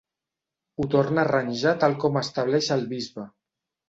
Ho torna a arranjar tal com estableix el bisbe.